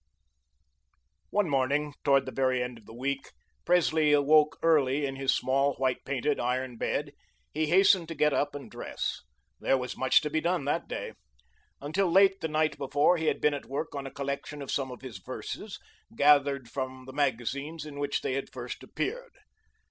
One morning, toward the very end of the week, Presley woke early in his small, white painted iron bed. He hastened to get up and dress. There was much to be done that day. Until late the night before, he had been at work on a collection of some of his verses, gathered from the magazines in which they had first appeared.